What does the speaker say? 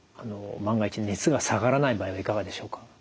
万が一熱が下がらない場合はいかがでしょうか？